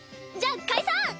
じゃあ解散！